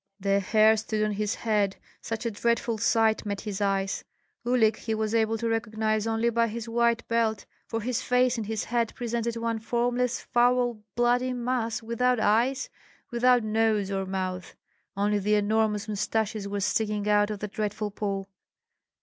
The hair stood on his head, such a dreadful sight met his eyes. Uhlik he was able to recognize only by his white belt, for his face and his head presented one formless, foul, bloody mass, without eyes, without nose or mouth, only the enormous mustaches were sticking out of the dreadful pool.